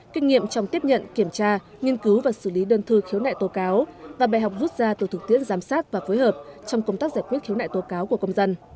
kinh nghiệm trong tiếp nhận kiểm tra nghiên cứu và xử lý đơn thư khiếu nại tố cáo và bài học rút ra từ thực tiễn giám sát và phối hợp trong công tác giải quyết khiếu nại tố cáo của công dân